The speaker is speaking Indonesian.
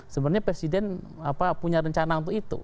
sebenarnya presiden punya rencana untuk itu